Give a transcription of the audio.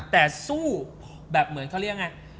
แต่สู้แบบเหมือนเขาเรียกยังไง